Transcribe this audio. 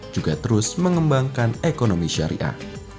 juga terus mengembangkan ekonomi syariah